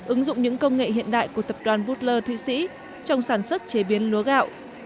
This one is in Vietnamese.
ứng dụng những công nghệ hiện đại của tập đoàn boodler thụy sĩ trong sản xuất chế biến lúa gạo